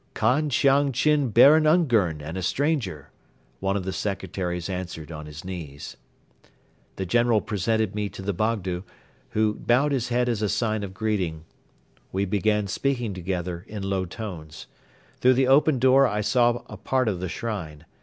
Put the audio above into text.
"Khan Chiang Chin Baron Ungern and a stranger," one of the secretaries answered on his knees. The General presented me to the Bogdo, who bowed his head as a sign of greeting. They began speaking together in low tones. Through the open door I saw a part of the shrine.